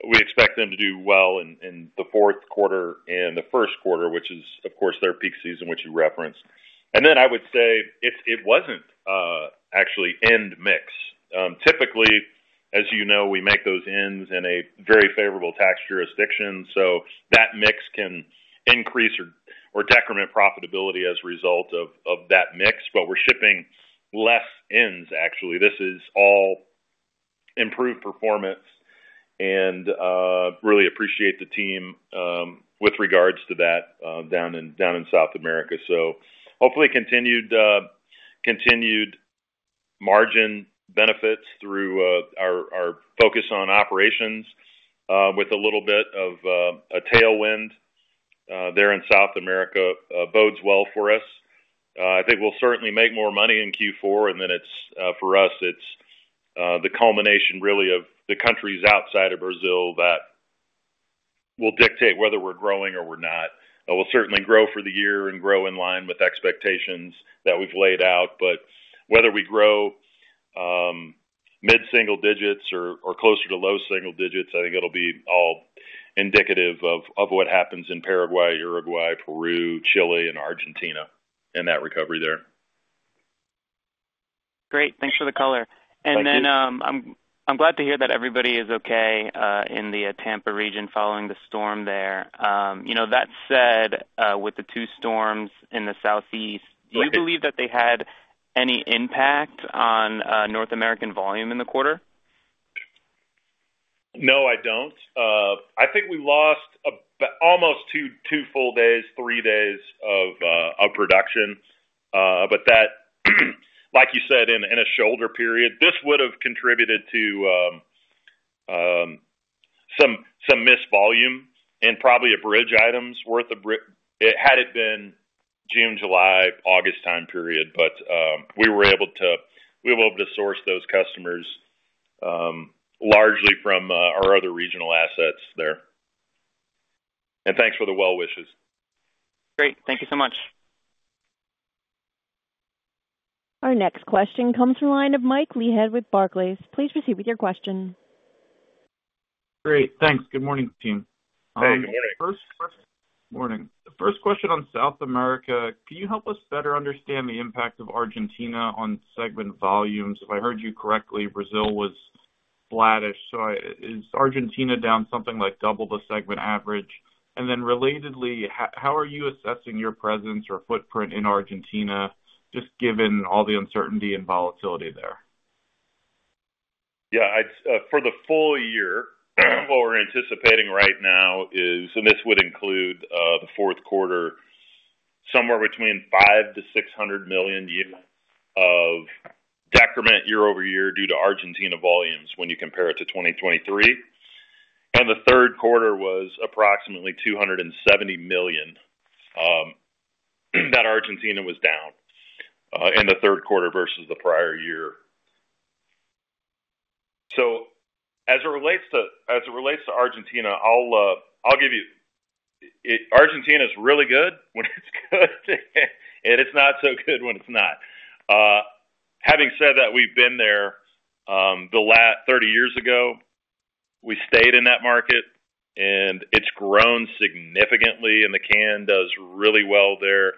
we expect them to do well in the fourth quarter and the first quarter, which is, of course, their peak season, which you referenced. Then I would say it wasn't actually end mix. Typically, as you know, we make those ends in a very favorable tax jurisdiction. So that mix can increase or decrement profitability as a result of that mix. But we're shipping less ends, actually. This is all improved performance, and really appreciate the team with regards to that down in South America. So hopefully continued margin benefits through our focus on operations with a little bit of a tailwind there in South America bodes well for us. I think we'll certainly make more money in Q4. And then for us, it's the culmination really of the countries outside of Brazil that will dictate whether we're growing or we're not. We'll certainly grow for the year and grow in line with expectations that we've laid out. But whether we grow mid-single digits or closer to low single digits, I think it'll be all indicative of what happens in Paraguay, Uruguay, Peru, Chile, and Argentina in that recovery there. Great. Thanks for the color. And then I'm glad to hear that everybody is okay in the Tampa region following the storm there. That said, with the two storms in the Southeast, do you believe that they had any impact on North American volume in the quarter? No, I don't. I think we lost almost two full days, three days of production. But that, like you said, in a shoulder period, this would have contributed to some missed volume and probably a bridge item's worth of had it been June, July, August time period. But we were able to source those customers largely from our other regional assets there. And thanks for the well wishes. Great. Thank you so much. Our next question comes from the line of Mike Leithead with Barclays. Please proceed with your question. Great. Thanks. Good morning, team. Hey. Good morning. The first question on South America, can you help us better understand the impact of Argentina on segment volumes? If I heard you correctly, Brazil was flattish. So is Argentina down something like double the segment average? And then relatedly, how are you assessing your presence or footprint in Argentina just given all the uncertainty and volatility there? Yeah. For the full-year, what we're anticipating right now is, and this would include the fourth quarter, somewhere between five to 600 million units of decrement year-over-year due to Argentina volumes when you compare it to 2023. And the third quarter was approximately 270 million that Argentina was down in the third quarter versus the prior year. So as it relates to Argentina, I'll give you, Argentina is really good when it's good, and it's not so good when it's not. Having said that, we've been there 30 years ago. We stayed in that market, and it's grown significantly, and the can does really well there.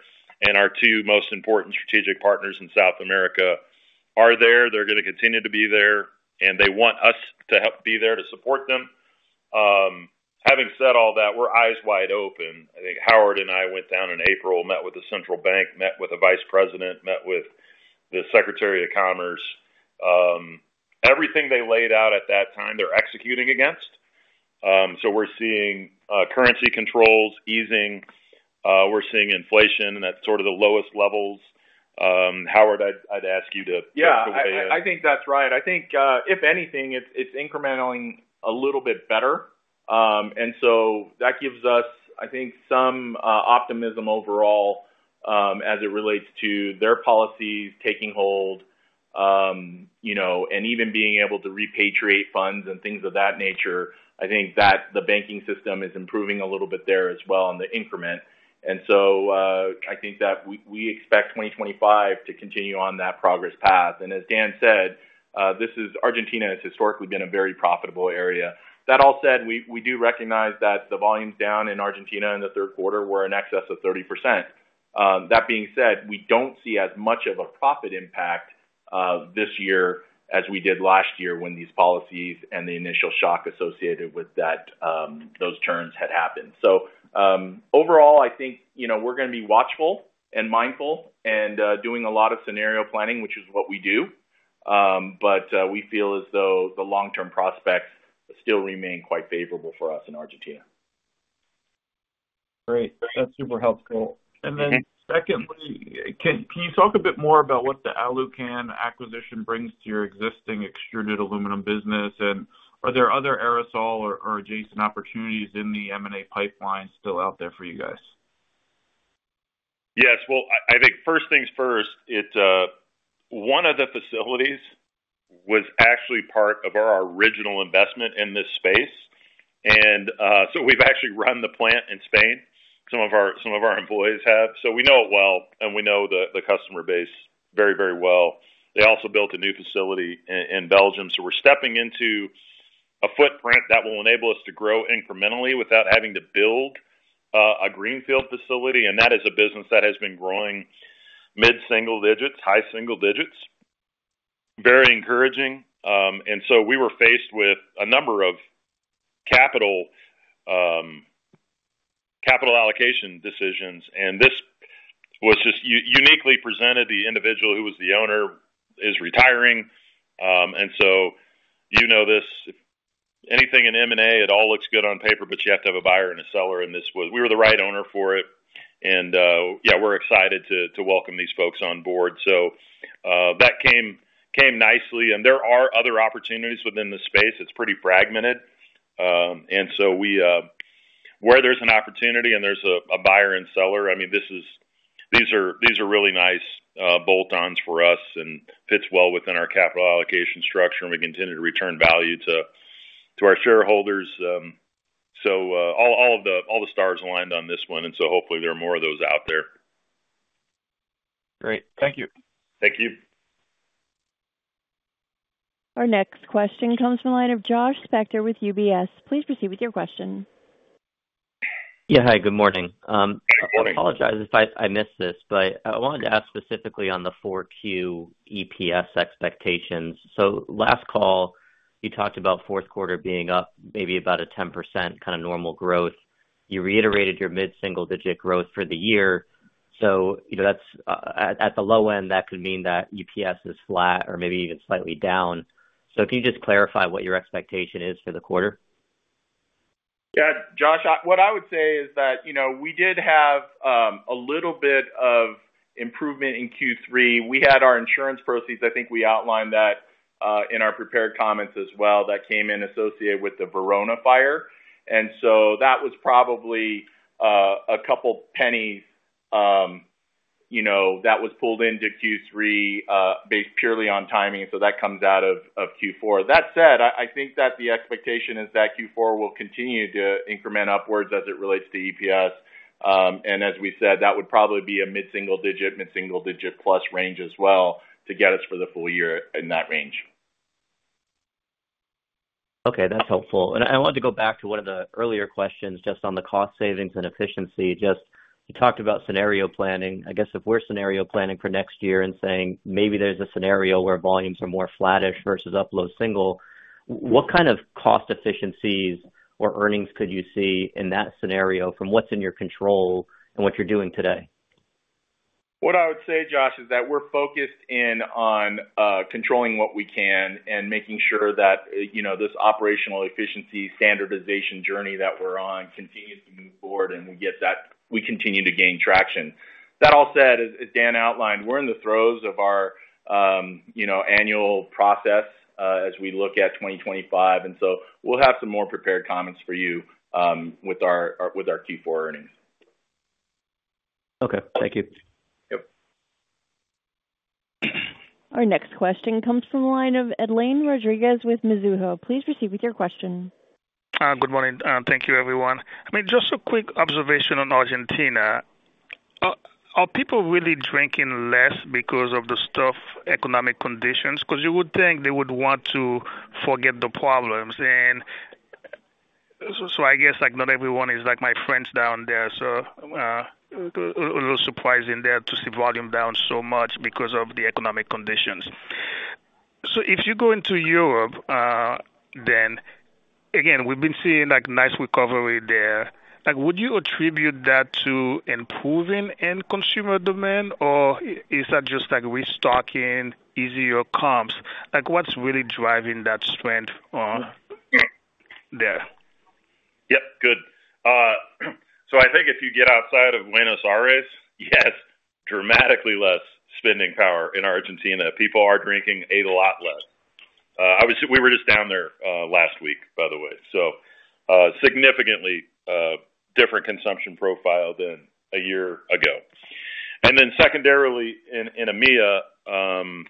And our two most important strategic partners in South America are there. They're going to continue to be there, and they want us to help be there to support them. Having said all that, we're eyes wide open. I think Howard and I went down in April, met with the central bank, met with the vice president, met with the secretary of commerce. Everything they laid out at that time, they're executing against. So we're seeing currency controls easing. We're seeing inflation and at sort of the lowest levels. Howard, I'd ask you to take the way ahead. Yeah. I think that's right. I think, if anything, it's incrementally a little bit better. And so that gives us, I think, some optimism overall as it relates to their policies taking hold and even being able to repatriate funds and things of that nature. I think that the banking system is improving a little bit there as well on the increment. And so I think that we expect 2025 to continue on that progress path. And as Dan said, Argentina has historically been a very profitable area. That all said, we do recognize that the volumes down in Argentina in the third quarter were in excess of 30%. That being said, we don't see as much of a profit impact this year as we did last year when these policies and the initial shock associated with those terms had happened. So overall, I think we're going to be watchful and mindful and doing a lot of scenario planning, which is what we do. But we feel as though the long-term prospects still remain quite favorable for us in Argentina. Great. That's super helpful. And then secondly, can you talk a bit more about what the Alucan acquisition brings to your existing extruded aluminum business? And are there other aerosol or adjacent opportunities in the M&A pipeline still out there for you guys? Yes. Well, I think first things first, one of the facilities was actually part of our original investment in this space, and so we've actually run the plant in Spain. Some of our employees have, so we know it well, and we know the customer base very, very well. They also built a new facility in Belgium, so we're stepping into a footprint that will enable us to grow incrementally without having to build a greenfield facility, and that is a business that has been growing mid-single digits, high single digits, very encouraging, and so we were faced with a number of capital allocation decisions. And this was just uniquely presented. The individual who was the owner is retiring, and so you know this. Anything in M&A, it all looks good on paper, but you have to have a buyer and a seller. We were the right owner for it. Yeah, we're excited to welcome these folks on board. That came nicely. There are other opportunities within the space. It's pretty fragmented. Where there's an opportunity and there's a buyer and seller, I mean, these are really nice bolt-ons for us and fits well within our capital allocation structure. We continue to return value to our shareholders. All the stars aligned on this one. Hopefully there are more of those out there. Great. Thank you. Thank you. Our next question comes from the line of Josh Spector with UBS. Please proceed with your question. Yeah. Hi. Good morning. Good morning. I apologize if I missed this, but I wanted to ask specifically on the 4Q EPS expectations. So last call, you talked about fourth quarter being up maybe about a 10% kind of normal growth. You reiterated your mid-single digit growth for the year. So at the low end, that could mean that EPS is flat or maybe even slightly down. So can you just clarify what your expectation is for the quarter? Yeah. Josh, what I would say is that we did have a little bit of improvement in Q3. We had our insurance proceeds. I think we outlined that in our prepared comments as well that came in associated with the Verona fire. And so that was probably a couple of pennies that was pulled into Q3 based purely on timing. So that comes out of Q4. That said, I think that the expectation is that Q4 will continue to increment upwards as it relates to EPS. And as we said, that would probably be a mid-single digit, mid-single digit plus range as well to get us for the full-year in that range. Okay. That's helpful. And I wanted to go back to one of the earlier questions just on the cost savings and efficiency. Just you talked about scenario planning. I guess if we're scenario planning for next year and saying maybe there's a scenario where volumes are more flattish versus up low single, what kind of cost efficiencies or earnings could you see in that scenario from what's in your control and what you're doing today? What I would say, Josh, is that we're focused in on controlling what we can and making sure that this operational efficiency standardization journey that we're on continues to move forward and we continue to gain traction. That all said, as Dan outlined, we're in the throes of our annual process as we look at 2025, and so we'll have some more prepared comments for you with our Q4 earnings. Okay. Thank you. Yep. Our next question comes from the line of Edlain Rodriguez with Mizuho. Please proceed with your question. Hi. Good morning. Thank you, everyone. I mean, just a quick observation on Argentina. Are people really drinking less because of the tough economic conditions? Because you would think they would want to forget the problems, and so I guess not everyone is like my friends down there, so a little surprising there to see volume down so much because of the economic conditions. So if you go into Europe, then again, we've been seeing nice recovery there. Would you attribute that to improvement in consumer demand, or is that just restocking easier comps? What's really driving that strength there? Yep. Good. So I think if you get outside of Buenos Aires, yes, dramatically less spending power in Argentina. People are drinking a lot less. We were just down there last week, by the way. So significantly different consumption profile than a year ago. And then secondarily, in EMEA,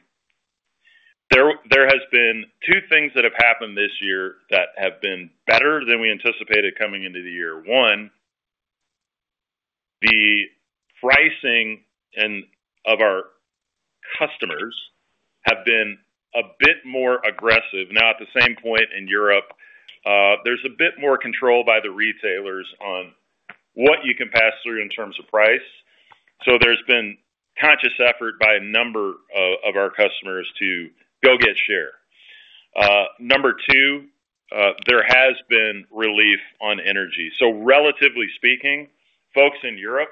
there has been two things that have happened this year that have been better than we anticipated coming into the year. One, the pricing of our customers have been a bit more aggressive. Now, at the same point in Europe, there's a bit more control by the retailers on what you can pass through in terms of price. So there's been conscious effort by a number of our customers to go get share. Number two, there has been relief on energy. So relatively speaking, folks in Europe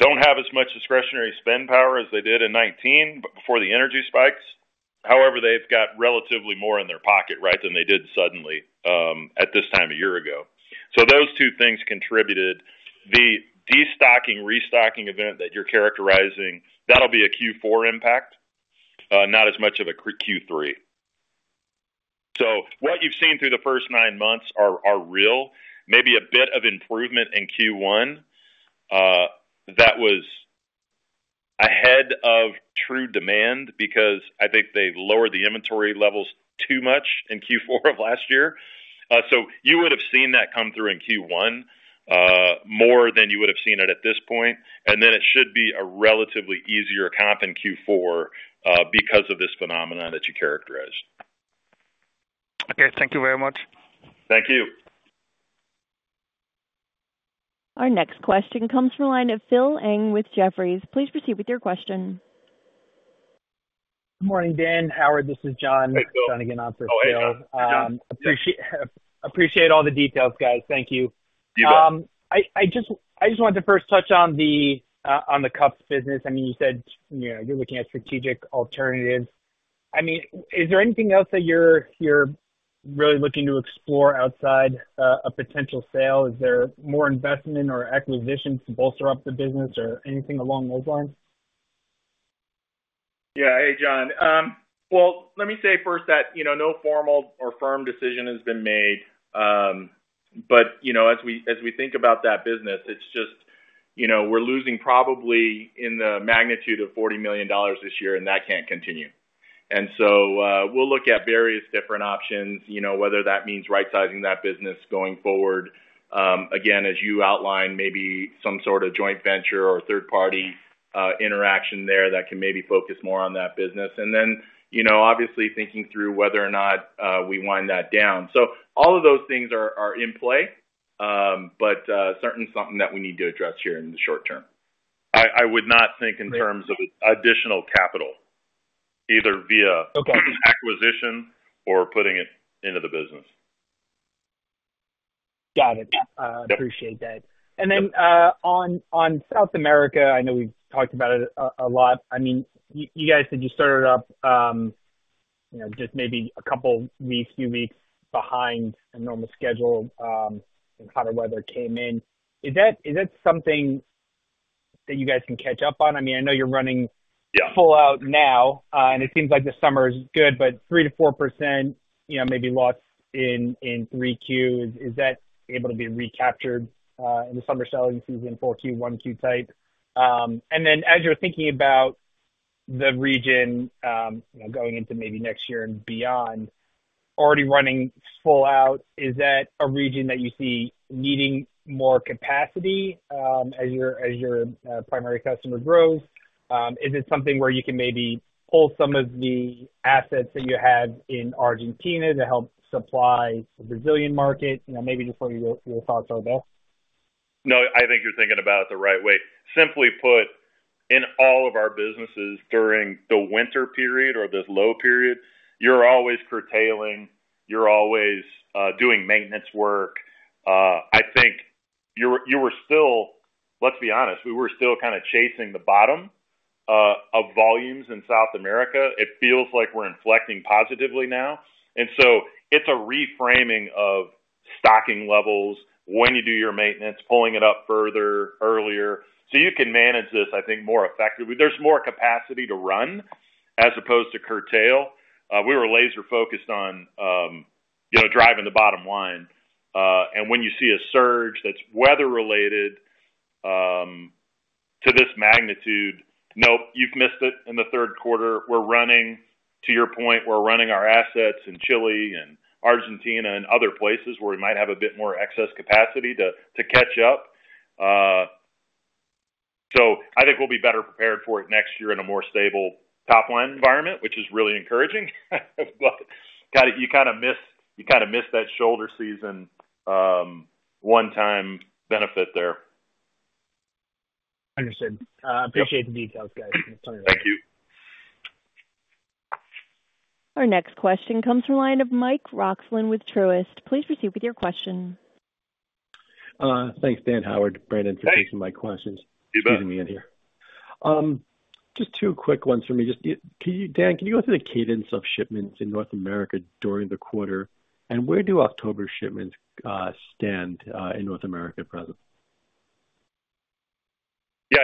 don't have as much discretionary spend power as they did in 2019 before the energy spikes. However, they've got relatively more in their pocket, right, than they did suddenly at this time a year ago. So those two things contributed. The destocking, restocking event that you're characterizing, that'll be a Q4 impact, not as much of a Q3. So what you've seen through the first nine months are real. Maybe a bit of improvement in Q1 that was ahead of true demand because I think they lowered the inventory levels too much in Q4 of last year. So you would have seen that come through in Q1 more than you would have seen it at this point. And then it should be a relatively easier comp in Q4 because of this phenomenon that you characterized. Okay. Thank you very much. Thank you. Our next question comes from the line of Phil Ng with Jefferies. Please proceed with your question. Good morning, Dan. Howard, this is John. Hey, Phil. John, again, on for Phil. Hey, John. Appreciate all the details, guys. Thank you. You bet. I just wanted to first touch on the cups business. I mean, you said you're looking at strategic alternatives. I mean, is there anything else that you're really looking to explore outside a potential sale? Is there more investment or acquisitions to bolster up the business or anything along those lines? Yeah. Hey, John. Well, let me say first that no formal or firm decision has been made. But as we think about that business, it's just we're losing probably in the magnitude of $40 million this year, and that can't continue. And so we'll look at various different options, whether that means rightsizing that business going forward. Again, as you outlined, maybe some sort of joint venture or third-party interaction there that can maybe focus more on that business. And then obviously thinking through whether or not we wind that down. So all of those things are in play, but certainly something that we need to address here in the short term. I would not think in terms of additional capital, either via acquisition or putting it into the business. Got it. Appreciate that. And then on South America, I know we've talked about it a lot. I mean, you guys said you started up just maybe a couple weeks, few weeks behind normal schedule when hotter weather came in. Is that something that you guys can catch up on? I mean, I know you're running full out now, and it seems like the summer is good, but 3%-4% maybe loss in 3Q. Is that able to be recaptured in the summer selling season 4Q, 1Q type? And then as you're thinking about the region going into maybe next year and beyond, already running full out, is that a region that you see needing more capacity as your primary customer grows? Is it something where you can maybe pull some of the assets that you have in Argentina to help supply the Brazilian market? Maybe just what your thoughts are there. No, I think you're thinking about it the right way. Simply put, in all of our businesses during the winter period or the low period, you're always curtailing. You're always doing maintenance work. I think you were still, let's be honest, we were still kind of chasing the bottom of volumes in South America. It feels like we're inflecting positively now. And so it's a reframing of stocking levels when you do your maintenance, pulling it up further earlier. So you can manage this, I think, more effectively. There's more capacity to run as opposed to curtail. We were laser-focused on driving the bottom line. And when you see a surge that's weather-related to this magnitude, nope, you've missed it in the third quarter. We're running, to your point, we're running our assets in Chile and Argentina and other places where we might have a bit more excess capacity to catch up. So I think we'll be better prepared for it next year in a more stable top-line environment, which is really encouraging. But you kind of missed that shoulder season one-time benefit there. Understood. Appreciate the details, guys. Tell me about it. Thank you. Our next question comes from the line of Mike Roxland with Truist. Please proceed with your question. Thanks, Dan and Howard, for taking my questions. You bet. Excuse me, I'm here. Just two quick ones for me. Dan, can you go through the cadence of shipments in North America during the quarter? And where do October shipments stand in North America presently? Yeah.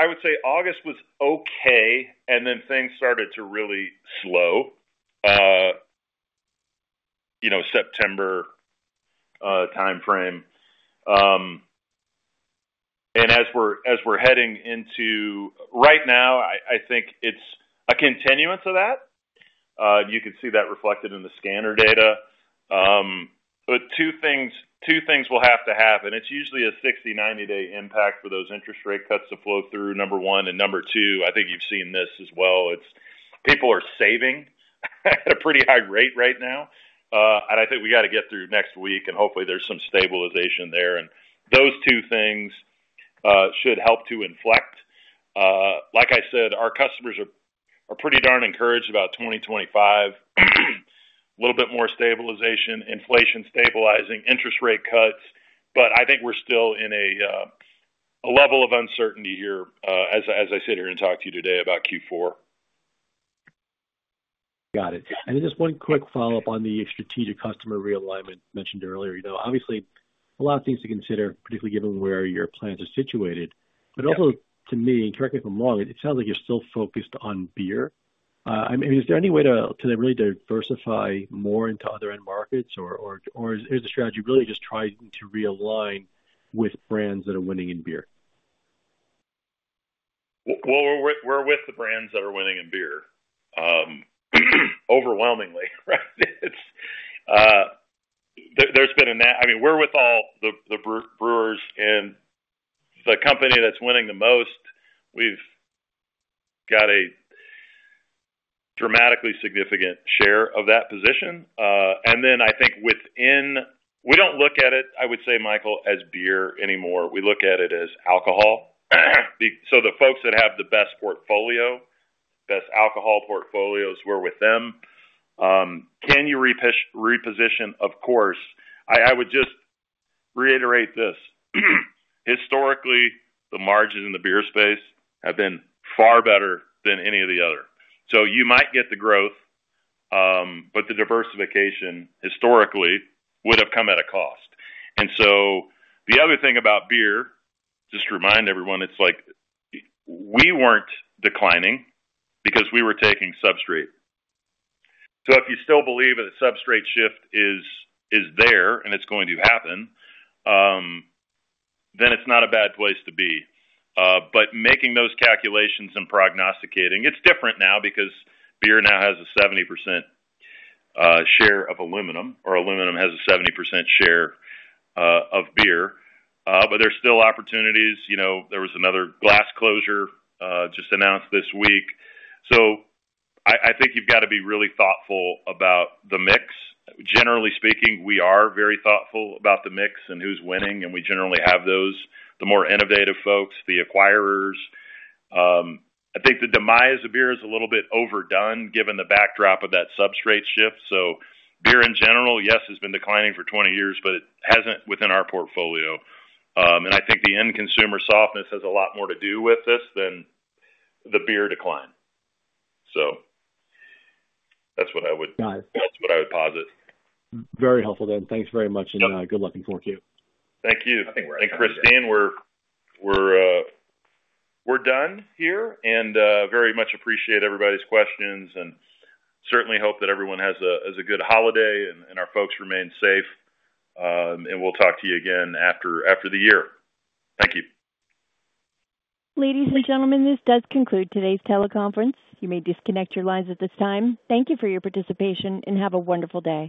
I would say August was okay, and then things started to really slow September timeframe. And as we're heading into right now, I think it's a continuance of that. You can see that reflected in the scanner data. But two things will have to happen. It's usually a 60-90-day impact for those interest rate cuts to flow through. Number one. And number two, I think you've seen this as well. People are saving at a pretty high rate right now. And I think we got to get through next week, and hopefully there's some stabilization there. And those two things should help to inflect. Like I said, our customers are pretty darn encouraged about 2025, a little bit more stabilization, inflation stabilizing, interest rate cuts. But I think we're still in a level of uncertainty here, as I sit here and talk to you today about Q4. Got it. And just one quick follow-up on the strategic customer realignment mentioned earlier. Obviously, a lot of things to consider, particularly given where your plans are situated. But also to me, and correct me if I'm wrong, it sounds like you're still focused on beer. I mean, is there any way to really diversify more into other end markets, or is the strategy really just trying to realign with brands that are winning in beer? Well, we're with the brands that are winning in beer, overwhelmingly, right? I mean, we're with all the brewers. And the company that's winning the most, we've got a dramatically significant share of that position. And then I think within we don't look at it, I would say, Michael, as beer anymore. We look at it as alcohol. So the folks that have the best portfolio, best alcohol portfolios, we're with them. Can you reposition? Of course. I would just reiterate this. Historically, the margins in the beer space have been far better than any of the other. So you might get the growth, but the diversification historically would have come at a cost. And so the other thing about beer, just to remind everyone, it's like we weren't declining because we were taking substrate. So if you still believe that the substrate shift is there and it's going to happen, then it's not a bad place to be. But making those calculations and prognosticating, it's different now because beer now has a 70% share of aluminum, or aluminum has a 70% share of beer. But there's still opportunities. There was another glass closure just announced this week. So I think you've got to be really thoughtful about the mix. Generally speaking, we are very thoughtful about the mix and who's winning. And we generally have those, the more innovative folks, the acquirers. I think the demise of beer is a little bit overdone given the backdrop of that substrate shift. So beer in general, yes, has been declining for 20 years, but it hasn't within our portfolio. And I think the end consumer softness has a lot more to do with this than the beer decline. So that's what I would. Nice. That's what I would posit. Very helpful, Dan. Thanks very much, and good luck in 4Q. Thank you. I think we're out of time. And Christine, we're done here. And very much appreciate everybody's questions and certainly hope that everyone has a good holiday and our folks remain safe. And we'll talk to you again after the year. Thank you. Ladies and gentlemen, this does conclude today's teleconference. You may disconnect your lines at this time. Thank you for your participation, and have a wonderful day.